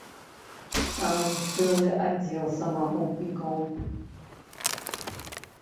Там цэлы аддзел самагубнікаў.